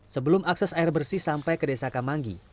sebelum akses air bersih sampai ke desa kamanggi